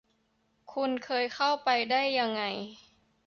คุณเคยเข้าไปได้ยังไง